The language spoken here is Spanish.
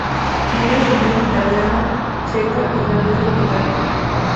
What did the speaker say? Tiene ascendencia italiana, checa, irlandesa y británica.